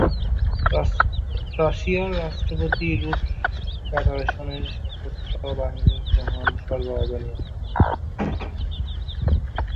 রাশিয়ার রাষ্ট্রপতি "রুশ ফেডারেশনের সশস্ত্র বাহিনীর মহান সর্বাধিনায়ক"।